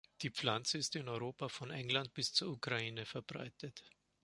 Die Pflanze ist in Europa von England bis zur Ukraine verbreitet.